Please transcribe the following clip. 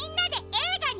えいがに？